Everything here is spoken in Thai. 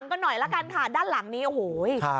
ก็หน่อยละกันค่ะด้านหลังนี้โอ้โห